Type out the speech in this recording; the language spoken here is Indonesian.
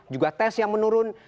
juga tes yang menurun